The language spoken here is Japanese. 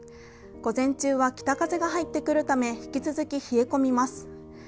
午前中は北風が入ってくるため引き続き冷え込みます。